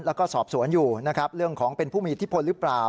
แล้วก็สอบสวนอยู่นะครับเรื่องของเป็นผู้มีอิทธิพลหรือเปล่า